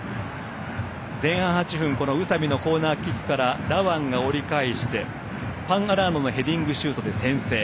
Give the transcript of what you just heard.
前半８分宇佐美のコーナーキックからダワン折り返してファン・アラーノのヘディングシュートです。